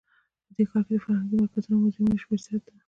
په دې ښار کې د فرهنګي مرکزونو او موزیمونو شمیر زیات ده